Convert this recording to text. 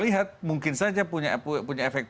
lihat mungkin saja punya efek